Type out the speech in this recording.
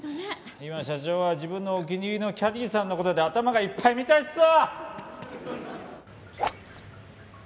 今社長は自分のお気に入りのキャディーさんの事で頭がいっぱいみたいっすわ！